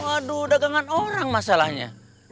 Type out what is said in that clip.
waduh dagangan orang masalahnya